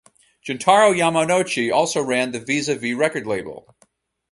Juntaro Yamanouchi also ran the Vis a Vis record label.